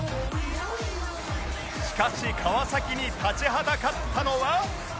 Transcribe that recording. しかし川崎に立ちはだかったのは